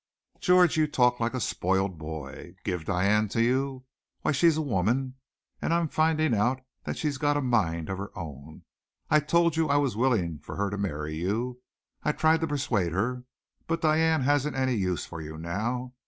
"George, you talk like a spoiled boy. Give Diane to you! Why, she's a woman and I'm finding out that she's got a mind of her own. I told you I was willing for her to marry you. I tried to persuade her. But Diane hasn't any use for you now.